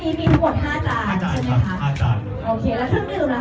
มีทั้งหมดอีกอีกจานค่ะเชฟวันนี้ที่จะมาเสิร์ฟไทยค่ะ